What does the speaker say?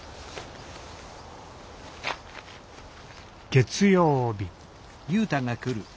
月曜日